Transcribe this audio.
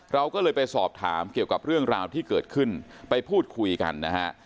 เราก็เลยไปสอบถามเกี่ยวกับเรื่องราวที่เกิดขึ้นไปพูดคุยกันนะฮะ